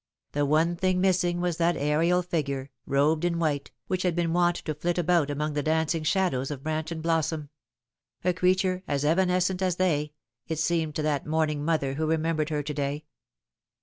The one thing missing was that aerial figure, robed in white, which had been wont to flit about among the dancing shadows of branch and blossom a creature as evanescent as they, it seemed to that mourning mother who remembered her to day.